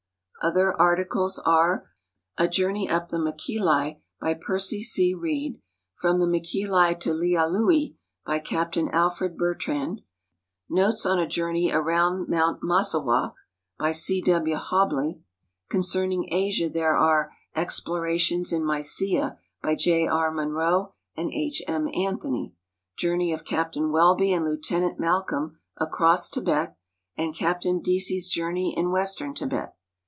Other arti 94 NATIONAL GEOGRAPHIC SOCIETY cles are "A Journey \\]y the Machili," by Percy C. Reid , "From the Ma cliili to Lialui," by Capt. Alfred Hertrand; " Notes on a Journey Around Mount Masawa," by C W. Hobley. Concerning Asia, there are " Explora tions in Mysia," by J. A. R. Munro and H. M. Anthony; "Journey of Captain Wellby and Lieutenant Malcolm Across Tibet," and " ('aptain Deasy's Journey in Western Tibet."